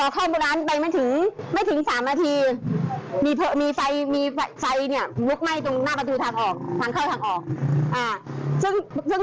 เขาจัดวันทิศมาตรที่ตกแก่ง